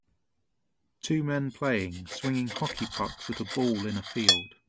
Two men playing swinging hockey pucks at a ball in a field.